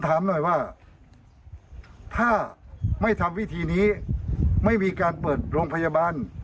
ถามหน่อยว่าถ้าไม่ทำวิธีนี้ไม่มีการเปิดโรงพยาบาล